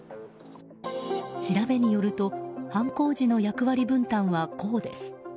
調べによると犯行時の役割分担は、こうです。